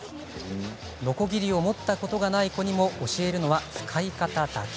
のこぎりを持ったことがない子にも教えるのは使い方だけ。